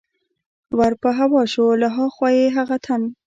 ور په هوا شو، له ها خوا یې هغه تن.